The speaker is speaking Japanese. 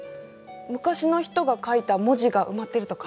昔の人が書いた文字が埋まってるとか？